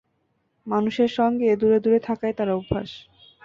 মানুষের সঙ্গে দূরে দূরে থাকাই তাঁর অভ্যাস।